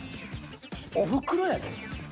「おふくろ」やで。